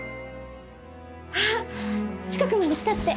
あっ近くまで来たって！